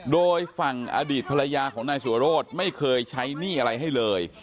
โดยฝั่งอดีตภรรยาของนายสัวโรธไม่เคยใช้หนี้อะไรให้เลย